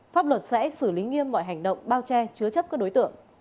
pháp luật sẽ xử lý nghiêm mọi hành động bao che chứa chấp các đối tượng